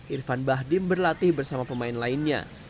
irfan bahdim berlatih bersama pemain lainnya